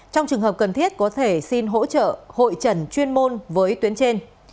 trong trường hợp cần thiết có thể xin hỗ trợ hội trần chuyên môn với tuyến trên